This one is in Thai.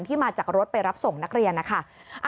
มาจากรถไปรับส่งนักเรียนนะคะ